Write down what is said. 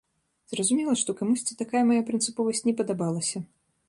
Зразумела, што камусьці такая мая прынцыповасць не падабалася.